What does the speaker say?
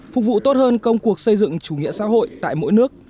phục vụ tốt hơn công cuộc xây dựng chủ nghĩa xã hội tại mỗi nước